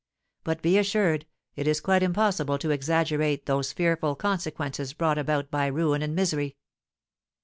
But, be assured, it is quite impossible to exaggerate those fearful consequences brought about by ruin and misery."